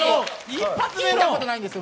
一度も聴いたことないんですよ。